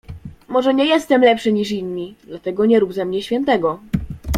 "Może nie jestem lepszy, niż inni, dlatego nie rób ze mnie świętego."